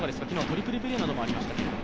トリプルプレーなどもありましたけど。